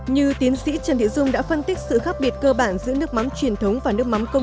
như tiến sĩ trần thị dung đã phân tích sự khác biệt cơ bản giữa nước mắm truyền thống và nước mắm công